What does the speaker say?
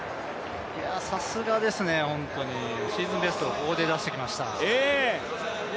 さすがでですね、シーズンベストをここで出してきました。